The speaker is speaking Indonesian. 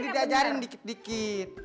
aduh diajarin dikit dikit